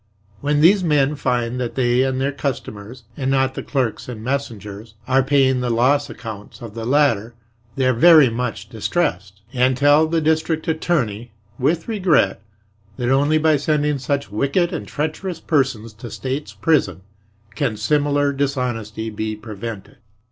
When these men find that they and their customers, and not the clerks and messengers, are paying the loss accounts of the latter, they are very much distressed, and tell the District Attorney, with regret, that only by sending such wicked and treacherous persons to State's prison can similar dishonesty be prevented.